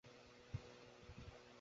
তিনি নিশ্চিত জানেন ঘুম আসবে না।